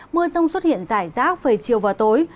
mưa rông xuất hiện rải rác về chiều và tối